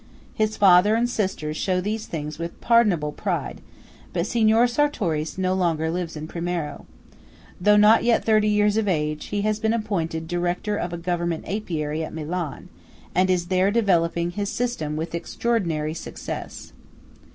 His father and sister show these things with pardonable pride; but Signor Sartoris no longer lives in Primiero. Though not yet thirty years of age, he has been appointed Director of a Government apiary at Milan, and is there developing his system with extraordinary success.